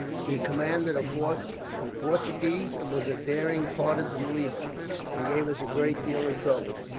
He commanded a force of Portuguese, and was a daring partizan leader, and gave us a great deal of trouble.